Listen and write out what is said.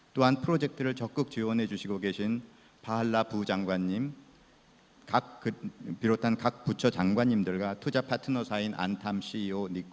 dan pembahasan pengembangan industri terpadu batang